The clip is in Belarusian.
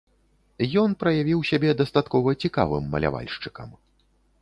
Ён праявіў сябе дастаткова цікавым малявальшчыкам.